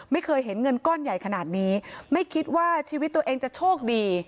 ไม่เคยเห็นเงินก้อนใหญ่ขนาดนี้ไม่คิดว่าชีวิตตัวเองจะโชคดี